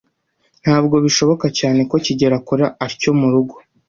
Ntabwo bishoboka cyane ko kigeli akora atyo murugo.